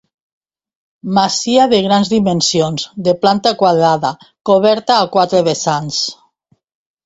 Masia de grans dimensions, de planta quadrada, coberta a quatre vessants.